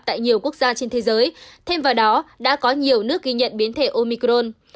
tại nhiều quốc gia trên thế giới thêm vào đó đã có nhiều nước ghi nhận biến thể omicron